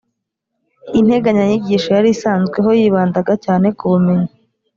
integanganyigisho yari isanzweho yibandaga cyane ku bumenyi